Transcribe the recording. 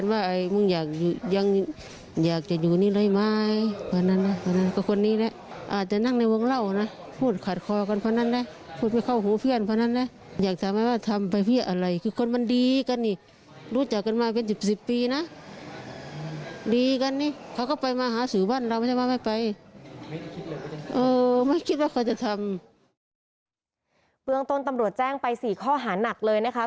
เมืองต้นตำรวจแจ้งไป๔ข้อหานักเลยนะคะ